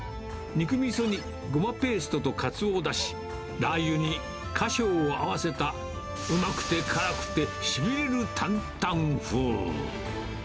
肉みそにゴマペーストとカツオだし、ラー油に花椒を合わせた、うまくて辛くてしびれる坦々風。